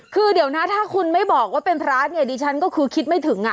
คือเดี๋ยวนะถ้าคุณไม่บอกว่าเป็นพระเนี่ยดิฉันก็คือคิดไม่ถึงอ่ะ